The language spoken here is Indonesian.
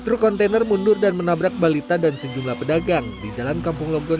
truk kontainer mundur dan menabrak balita dan sejumlah pedagang di jalan kampung logon